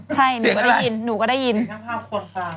ใช่หนูก็ได้ยินหนูก็ได้ยินเสียงความคนคลางค่ะ